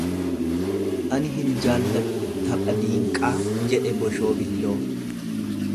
Ani hin jalladhu tapha diinqaa jedhe Boshoo Billoo.